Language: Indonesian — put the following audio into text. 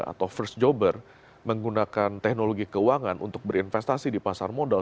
atau first jobber menggunakan teknologi keuangan untuk berinvestasi di pasar modal